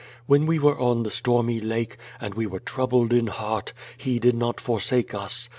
AVhen we were on the stormy lake, and we were troubled in heart, He did not forsake us.